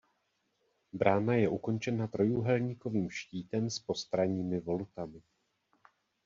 Brána je ukončena trojúhelníkovým štítem s postranními volutami.